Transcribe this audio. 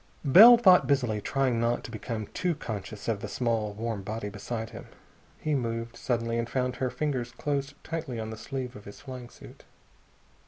Bell thought busily, trying not to become too conscious of the small warm body beside him. He moved, suddenly, and found her fingers closed tightly on the sleeve of his flying suit.